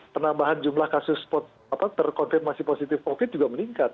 penambahan jumlah kasus terkonfirmasi positif covid juga meningkat